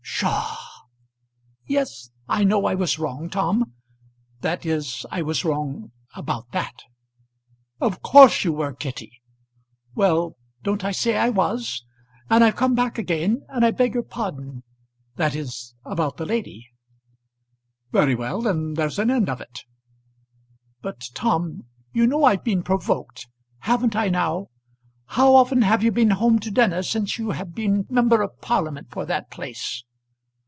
"Psha!" "Yes; I know I was wrong, Tom. That is I was wrong about that." "Of course you were, Kitty." "Well; don't I say I was? And I've come back again, and I beg your pardon; that is about the lady." "Very well. Then there's an end of it." "But Tom; you know I've been provoked. Haven't I now? How often have you been home to dinner since you have been member of parliament for that place?"